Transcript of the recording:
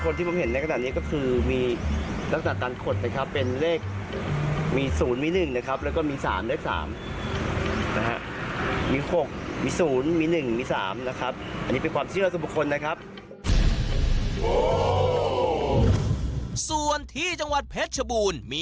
ส่วนที่จังหวัดเพชรชบูรณ์มี